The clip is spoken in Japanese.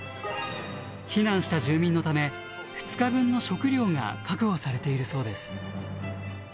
避難した住民のため２日分の食料が確保されているそうです。